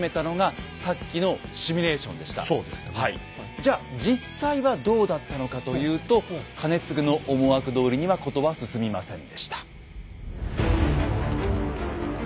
じゃあ実際はどうだったのかというと兼続の思惑どおりには事は進みませんでした。